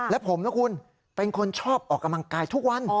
และผมนะคุณเป็นคนชอบออกกำลังกายทุกวัน